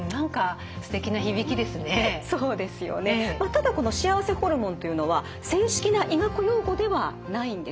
ただこの幸せホルモンというのは正式な医学用語ではないんです。